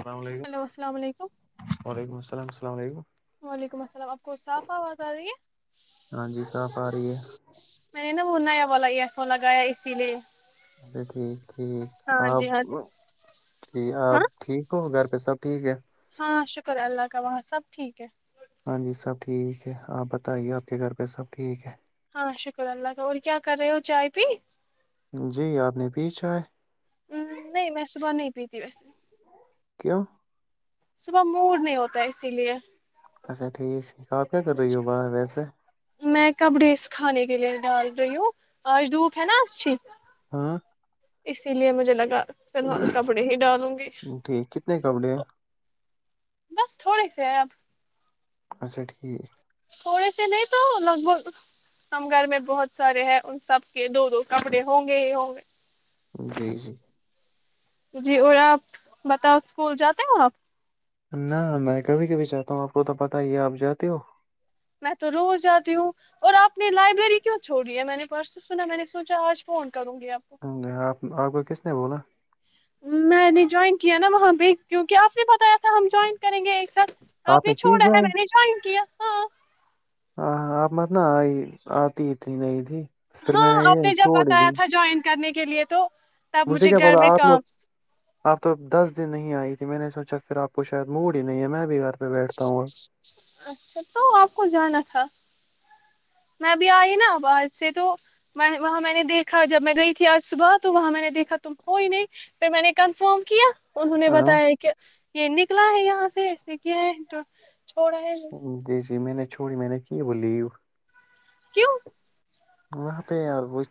السلام علیکم ہیلو السلام علیکم وعلیکم السلام السلام علیکم وعلیکم السلام آپ کو صاف آواز آ رہی ہے ہاں جی صاف آ رہی ہے میں نے نا نیا والو یہسو لگایا اسی لیے اچھا ٹھیک ٹھیک ہاں آپ جی ہاں جی ہاں آپ ٹھیک ہو گھر پھر سب ٹھیک ہے ہاں شکر اللہ کا وہاں سب ٹھیک ہے ہاں جی سب ٹھیک ہے آپ بتائیے آپ کے گھر پہ سب ٹھیک ہے ہاں شکر اللہ کا اور کیا کر رہے ہو چائے پی جی آپ نے پیچھا ہے [unintelligible] ہ نہیں میں صبح نہیں پیتی ویسے کیوں صبح موور نہیں ہوتا ہے اسی لیے اچھا ٹھیک کہ کیا کر رہی ہو باہر ویسے میں کپڑے کھانے کے لیے ڈال رہی ہوں آج دکھ ہے نا اھی [unintelligible] ہاں اسی لیے مجھے لگا فی الحال کپڑے ہی ڈالوں گی ٹھیک کتنے کپڑے ہیں بس تھوڑے سے ہیں اب اچھا ٹھیک تھوڑے سے نہیں تو لگ بھگ ہم گھر میں بہت سارے ہیں ان سب کے دو دو کپڑے ہوں گے ہی ہوں گے جی س [unintelligible] جی اور آپ بتاؤ اسکول جاتے ہو آپ نہ میں کبھی کبھی چاہتا ہوں آپ کو تو پتہ ہی ہے آپ جاتے ہو میں تو روز جتیی ہوں اور آپ نے لائبریری کیوں چھوڑی ہے میں نے پرسوں سنا میں نے سوچا آج فن آ آپ گو کس [unintelligible] نہیں بولاو [unintelligible] میں نے جوائن کیا نا وہاں پہ کیوںکہ آپ نے پتایا تھا ہم جوائن کریں گے ایک ساتھ تو آپ نے چھوڑا ہے میں نے جوائن کیا ہاں مرن آئی آتی اتنی نہیں تھی [unintelligible] میں ہاں آپ یہ نے جب چھوڑ بتایا دی تھا جوائن کرنے کے لیے تو تب مجھے کیا گھر پتا میں آپ لوگ کام اپ تو دس دن نہیں آئی تھی میں نے سوچا پھر آپ کو شاید موڈ ہی نہیں ہے میں بھی گھر پہ بیٹھتا ہوں اب۔ اچھا تو آپ کو جانا تھا میں بھیھی آئی نا باہر سے تو وہاں میں نے دیکھا جب میں گئی تھی آج صبح تو وہاں میں نے دیکھا تم کوئی نہیں پھر میں نے کنفرم کیا انہوں نے ہاں بتایا کہ یہ نکلا ہے یہاں سے کیا ہے تو چھوڑا ہے جی جی میں نے چھوڑی میں نے کی وہ لیو کیوں وہاں پہ ار وہ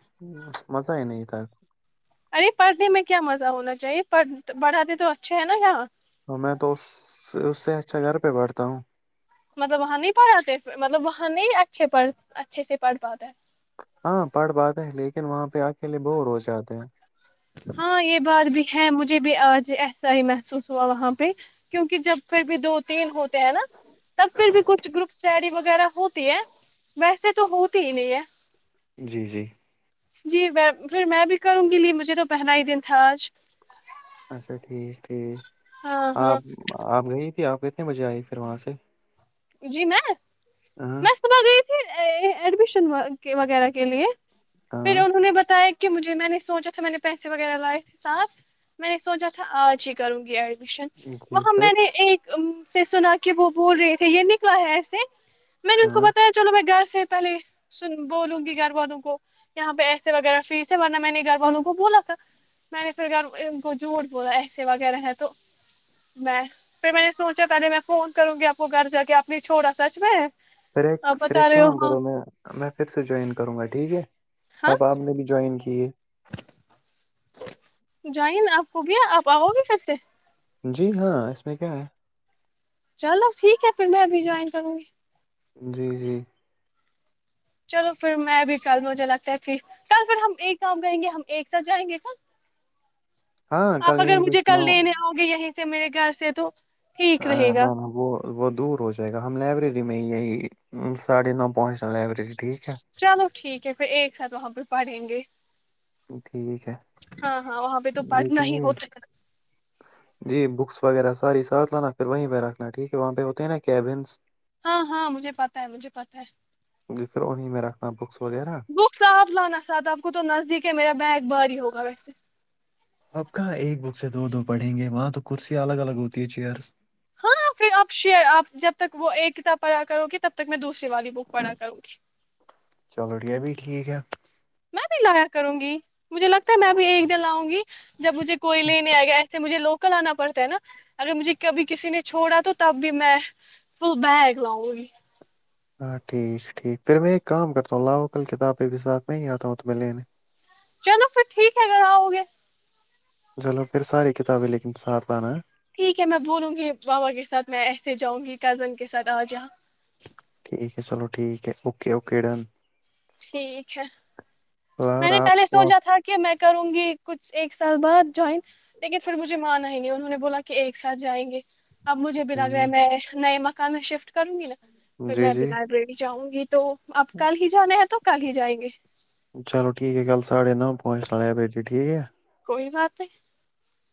مزہ ہی نہیں تھا ارے پڑھنے میں کیا مزہ ہونا چاہیےڑھ پڑھاتے تو اچھے ہے نا یہاں تو میں تو اس اس سے اچھا گھر پہ بیٹھتا ہوں مطلب وہاں نہیں پڑھاتے مطلب وہاں نہیں اچھے اچھے سے پڑھ پاتے ہاں پڑھ پات ہے لیکن وہاں پہ کےلے بہ ہوو جاتے ہیں ہاں یہ بات بھی ہے مجھے بھی آج ایسا ہی محسوس ہوا وہاں پہ کیونکہ جب پھر بھی دو تین ہوتے ہیں نا تب پھر بھی کچھ گروپ شریی وغیرہ ہوتی ہے ویسے تو ہوتی ہی نہیں ہے جی جی جی پھر میں بھی کروں گی لی مجھے تو پہنا ہی دن تھا آج اچھا ٹھیک ٹھیک ہاں ہاں آپ آپ گئی آپ کتنے بجے آئی پھر وہاں سے جی میں ہاں میںس گئی ایڈمیشن وغیرہ کے لیے پھر ہاں انہوں نے بتایا کہ مجھے میں نے سوچا تھا میں نے پیسے وغیرہ لائے تھے ساتھ میں نے سوچا تھا آج ہی کروں گی آ جی وہاں پھر میں نے ایک سنا کہ وہ بول یہ نکلا ہے ایسے میں نے ان کو ہاں بتایا چلو میں گھر سے پہلے سن بولوں گی گھر والوں کو یہاں پہ ایسے وغیرہ پھر سے برنا میں نے گھر والوں کو بولا تھا میں نے پھر گھر ان کو جھوٹ بولا ایسے وغیرہ ہے تو میں پھر میں نے سوچا پہلے میں فون کروں گی وہ گھر جا کے اپنی چھوڑا سچ میں پھر ایک آپ پھر بتا ایک رہے ہو کام ہاں کرو میں میں پھر سے جوائن کروں گا ٹھیک ہے ہاں آپا آپ نے بھی جوائن کیا جٹھ جوائن آپ کو گیا آپ آؤ گے پھر سے جی ہاں اس میں کیا ہے چلو ٹھیک ہے پھر میں ابھی جوائن کروں گی جی جی چلو پھر میں بھی کل مجھے لگتا ہے پھر کل پھر ہم ایک کاؤ گیں گے ہم ایک ساتھ جائیں گے کل ہاں آپ کل اگر یہی مجھے کچھ کل نو لینے آؤ گے یہیں ج میرے گھر سے تو ٹھیک نہ رہے گا نہ وہ وہ دور ہو جائے گا ہم لائبریری م ساھ ن پ [unintelligible] چلو ٹھیک ہے پھر ایک ساتھ وب پڑیں گے ٹھیک ہے ہاں ہاں وہاں پہ تو پڑھنا ہی دیکھنیے ہوتا ہے جی بکس وغیرہ ساری ساتھ لانا پھر وہیں پہ رکھنا ٹھیک ہے وہاں پہ ہوتے ہیںا کیبنس ہاں ہاں مجھے پتا ہے مجھے پتا ہے پھر انہیں میں رکھنا بکس وغیرہ بک ص آپ لانا ساتھ آپ کو تو نزدیک د میرا بیگ باہاری ہوگا ویسے اپ کہاں ایک بک سے دو دو پڑھیں گے وہاں تو کرسیاں الگ الگ ہوتی ہے چیئرز ہاں پھر آپ شیئر آپ جب تک وہ ایک کتاب پڑھا کرو گی تب تک میں دوسری والی بک پڑھا کروں گی چلو ٹھیا بھی ٹھیک ہے غار کروں گی مجھے لگتا ہے میں بھیب ایک دل آؤں گی جب مجھے کوئی لیےنے آئے گیا ایسے مجھے لوگ کلانا پڑتا ہے نا اگر مجھے کبھی کسی نے چھوڑا تو تب بھی میں فل بیگ لاؤں گی ہاں ٹھیک ٹھیک پھر میں ایک کام کرتا ہوں لاوکل کتابیں بھی ساتھ میں ہی آتا ہوں تو میںہ لینے چلو پھر ٹھیک ہے اگر آؤ گے چلو پھر ساری کتابیں لیکن ساتھ لانا ہے ٹھیک ہے میں بولوں گی بابا کے ساتھ میں ایسے جاؤں گی کزن کے ساتھ آ جا ٹھیک ہے چلو ٹھیک ہے اوکے اوکے ڈن ٹھیک ہے میں یار نے آپ پہلے کو آپ سوچا تھا کہ میں کروں گی کچھ ایک سال بعد جوائن لیکن پھر مجھے مان آیں گ انہوں نے بولا کہ ایک ساتھ جائیں گے آ مج بھی لگے ہے ہم، ن نہیں کا میں شفٹ کرن گلا پھر میں جی ابھی جی لائبریری ج آؤں گی تو اب کل ہی جانے ہیں تو کل ہی جائیں گے چلو ٹھیک ہے کل ساڑھے نو پہنچ ل لائبریری ٹھیک ہے کوئی بات ہے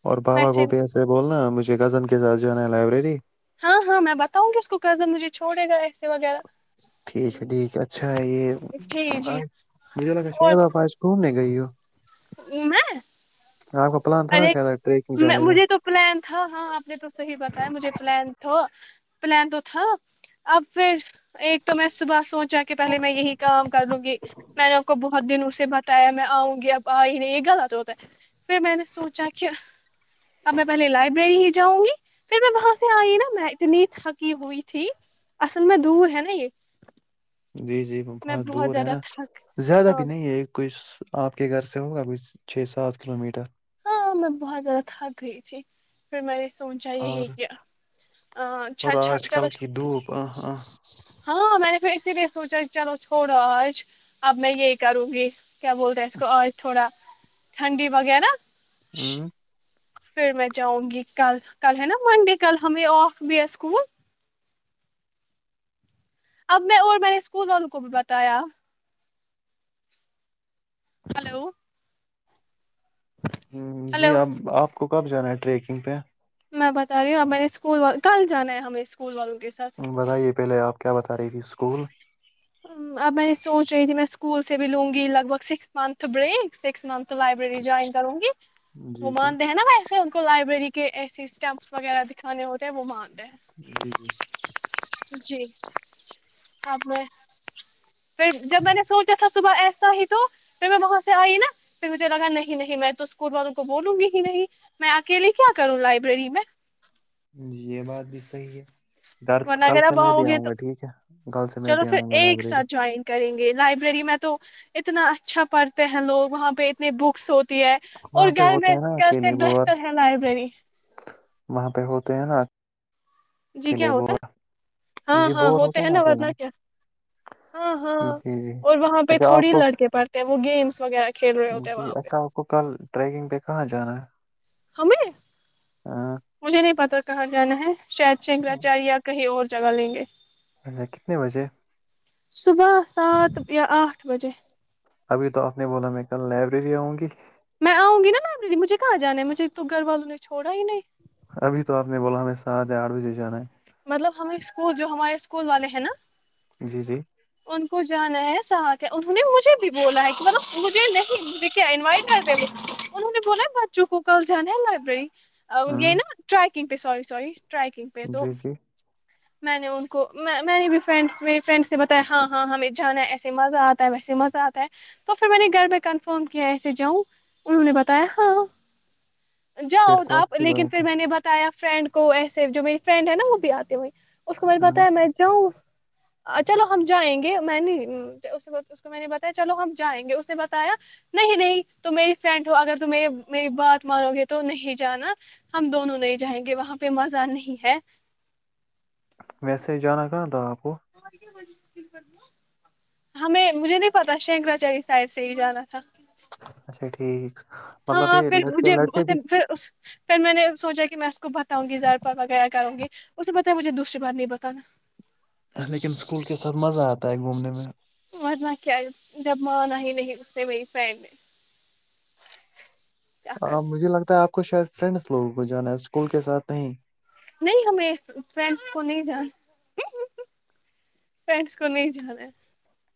اور بابا گوپیا سے بولنا مجھے ج گزن کے سات جوانا ہے لائبریری ہاں ہاں میں بتاؤں گی اس کو کزن مجھے چھوڑے گا ایسے وغیرہ ٹھیک ہے ٹھیک ہے اچھا یہ جی جی مجھے لگا ہے اور شہ پ آ گھومنے کے گی ہو [unintelligible] میں آپ کا پلان تھا نا ارے شاید ٹریکنگ جانے کا مجھے تو پلان تھا ہاں آپ نے تو صحیح بتایا مجھے پلان تو پلان تو تھا اب پھر ایک تو میں صبح سوچ چا کے پہے میں یہی کام کر لوں گی میں نے ان کو ب بہت دن اسے بتایا میں آؤں گی اب آ ہی نہیں یہ گلا تو ہوتا ہے پھر میں نے سوچا کہ ا میں پہلے لائبریری ہی جاؤں گی پھر میں وہاں سے آئی نا میں اتنی تھکی ہوئی تھی اصل میں دور ہے نا یہ جی جی میں بہت دور ہے زیادہ نا تھک زیادہ ہاں بھی نہیں ہے کوئی آپ کے گھر سے ہوگا کوئی چھ سات کلو میٹر ہاں میں بہت زیادہ تھک گئی تھی پھر میںیری سوچا یہی اور اور آج کہچاھالو کل کی دھوپ آہ آہ ہاں میں نے اسی لیے سوچا کہ چلو چھوڑو آج اب میں یہی کروں گی کیا بول رہے اس کو آج تھوڑا ٹھنڈی وغیرہ ہ پھر میں جاؤں گی کل کل ہے نا منڈے کل ہمیں آف بھییا اسکول اب میں اور میں نے اسکول والوں کو بھی بتایا ہلو ہ جی ہلو آپ آپ ک کب جانا رییکنگ پ میں بتا رہی ہوں اب م نے اسکول کل جانا ہے ہمیں اسکول والوں کے ساتھ بتائیے پہلے آپ کیا بتا رہی تھی اس کول اب میں سوچ رہی تھی میں اسکول سے بھی لوں گی لگ بھگ سکس منتھ بڑے سکس منتھ لائبریری جوائن کروں گی وہ جی جی مانتے ہیں نا ویسے کو لائبریری کے ایسے اسٹپس وغہ دکھانے ہو تو وہ ماند ہے جی جی جی ابڑ پھر جب میں نے سوچا تھا صبح ایسا ہی تو پھر میں وہاں سے آئی نا پھر مجھے لگا نہیں نہیں میں تو اسکول والوں کو بولوں گی ہی نہیں میں اکیلے کیا کروں لائبریری میں جی یہ بات بھی صحی ہے گھر ون کل اگر سے اب میں آؤ بھی گے آؤں تو گا ٹھیک ہے کل سے میں چلو بھی پھر آؤں گا ایک لائبریری ساتھ جوائن کریں گے لائبریری میں تو اتنا اچھا پڑھتے ہیں لوگ وہاں پہ اتنے بکس ہوتے ہے اور وہاں پہ گھر ہوتے میں ہیں نا کیس اکیلے بور دفتر ہے لائبریری وہاں پہ ہوتے ہیں نا جی کیا اکیلے ہوتا بور ہے ہاں جی ہاں بور ہوتے ہیں ہے نا ورنہ اکیلے کیا ہاں ہاں جی جی اور وہاں پہ اچھا آپ تھوڑی کو لڑکے پڑھتے ہیں وہ گیمس وغیرہ کھیل رہے ہوتے ہیں جی وہاں پہ اچھا آپ کو کل ٹریکنگ پہ کہاں جانا ہے ہمیں ہاں مجھے نہیں پتا کہاں جانا ہے شاید شنکگراچار یا کہے اور جگا لیں گے ا کتنے بجے صبح سات یا آٹھ اٹھ بجے ابھی تو آپ نے بولا میں کل لائبریری آؤں گی میں آؤں گی ن لائبری مجھے کہاں جان ہے مجھے تو گھر والوں نے چھوڑا ہی نہیں ابھی تو آپ نے بولا ہمیں سات آٹھ بجے جان ہے مطلب ہم ایک اسکول جو ہمارے اسکول والے ہیں نا جی جی ان کو جانا ہے سا انہوں نے مجھے بھی بولا ہے کہ مطلب مجھے نہیں مجھ کیا انوائٹ لبریری انہوں نے بولا بچوں کو کل جانا ہے لائبریری یہ ہوں نا ٹریک کن پے سوری سوری ٹرائیکنگ پہ تو جی جی میں نے ان کو میں نے بھی فرینڈس میری فرینڈ سے ب ہاں ہاں ہمیں جانا ایسے مزہ آتا ہے ویسے مزہ آتا ہے تو پھر میں نے گھر میں کنفرم کیا ایسے جاؤں انہوں نے بتایا ہاں جاؤ پھر تو آپ اچھی لیکن بات پھر ہے میں نے بتایا فرینڈ کو ایسے جو میری فرینڈ ہے نا وہ بھی آتے ہو اس کو مجھے پتا ہاں ہے میں جاؤں اچ چلو ہم جائیں گے میں نے اس کو میں نے بتایا چلو ہم جائیں گے اس نے بتایا نہیں نہیں ت میری فرینڈ ہو اگر تم میری بات مانو گے تو نہیں جانا ہم دونوں نہیں جائیں گے وہاں پہ مزہ نہیں ہے ویسے جانا کہاں تھا آپ کو ہمیں مجھے نہیں پتا شنکراچاری سائڈ سے ہی جانا تھا اچھا ٹھیک مطلب ہاں یہ پھر مجھے لڑکے اس لڑکے بھی پھر اس پھر میں نے سوچا کہ میں کو بتاؤں گی زڑپا وغیرہ کروں گے اسے بتایا مجھے دوسری بات نہیں بتانا لیکن اسکول کے ساتھ مزہ آتا ہے گھومنے میں مرنہ کیا جب منا ہی نہیں استے میری فہن نے کیا کر ہاں مجھے لگتا ہے آپ کچھاید فرینڈس لوگوں کو جان آ اسکول کے ساتھ نہیں نہیں ہمیں فرینڈس کو نہیں جان فرینڈس کو نہیں جانا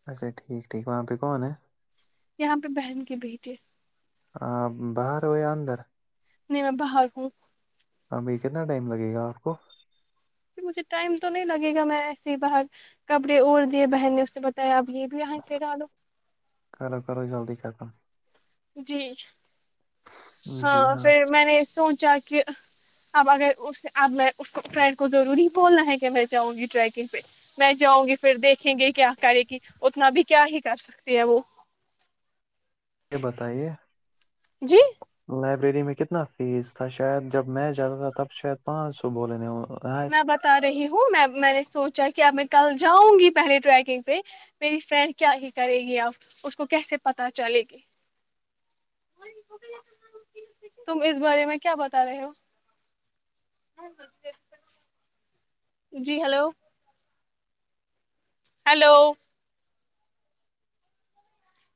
اچھا ٹھیک ٹھیک وہاں پہ کون ہے یہاں پہ بہن کے بیٹے آ باہر ہو اندر نہیں میں باہر ہوں ہاں بھ کتنا ٹائم لگے گا آپ کو مجھے ٹائم تو نہیں لگے گا میں ایسے ہی باہر کپڑے اور دیے بہن نے اس نے بتایا آپ یہ بھی آیں پ ڈ آ لو کم جی ہاں پھر میں نے سوچا کہ کہ اب اگر اس اب میں اس فرینڈ کو ضروری بولنا ہے کہ میں جاؤں گی ٹریکنگ پہ میں جاؤں گی پھر دیکھیں گے کیا کرے گی اتنا بھی کیا ہی کر سکتے ہے وہ یہ بتائیے جی لائبریری میں کتنا فیس تھا شاید جب میں جاتا تھا تب شاید پانچ سو بولنے میں بتا رہی ہوں ہ میں میں نے سوچا کہ اب میں کل جاؤں گی پہلے ٹریکنگ پہ میری فرینڈ کیا ہی کرے گی اب اس کو کیسے پتا چلے گی تم اس بارے میں کیا بتا رہے ہو جی hello hello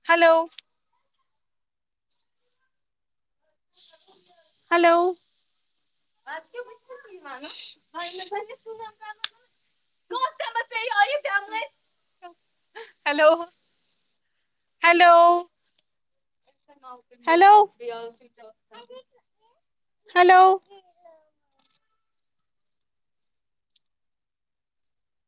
hello hello hello hello hello hello